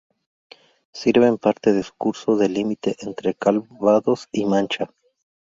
Sirve en parte de su curso de límite entre Calvados y Mancha.